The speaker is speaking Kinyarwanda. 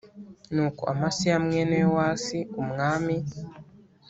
Nuko Amasiya mwene Yowasi umwami